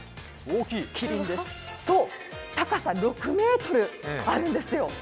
そう、高さ６ｍあるんですよ！